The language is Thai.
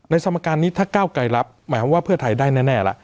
สมการนี้ถ้าก้าวไกลรับหมายความว่าเพื่อไทยได้แน่ละ